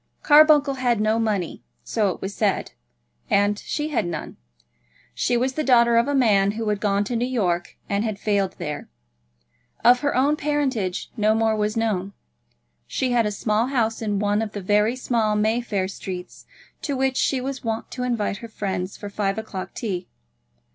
Carbuncle had no money, so it was said; and she had none. She was the daughter of a man who had gone to New York and had failed there. Of her own parentage no more was known. She had a small house in one of the very small Mayfair streets, to which she was wont to invite her friends for five o'clock tea.